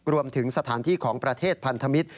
รวมถึงสถานที่ของประเทศพันธมิตร